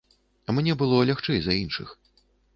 Мне было лягчэй за іншых.